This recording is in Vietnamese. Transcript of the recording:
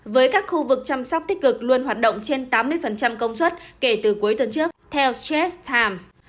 với các khu vực chăm sóc tích cực luôn hoạt động trên tám mươi công suất kể từ cuối tuần trước theo stress times